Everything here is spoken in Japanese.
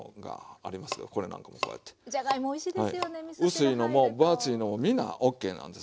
薄いのも分厚いのもみんなＯＫなんです。